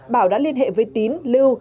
bảo đã liên hệ với tín lưu